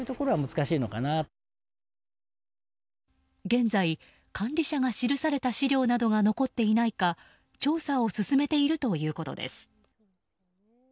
現在、管理者が記された資料などが残っていないか調査を進めているということです。